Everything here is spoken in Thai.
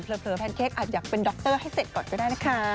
แพนเค้กอาจอยากเป็นดรให้เสร็จก่อนก็ได้นะคะ